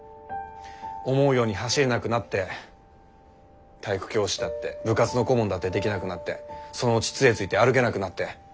思うように走れなくなって体育教師だって部活の顧問だってできなくなってそのうち杖ついて歩けなくなって。